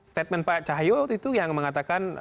statement pak cahyo waktu itu yang mengatakan